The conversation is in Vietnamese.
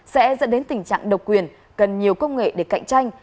sẽ dẫn đến tình trạng độc quyền cần nhiều công nghệ để cạnh tranh